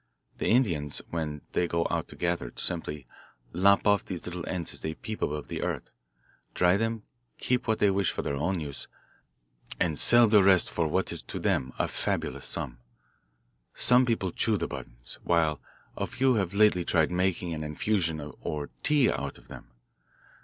The Indians, when they go out to gather it, simply lop off these little ends as they peep above the earth, dry them, keep what they wish for their own use, and sell the rest for what is to them a fabulous sum. Some people chew the buttons, while a few have lately tried making an infusion or tea out of them.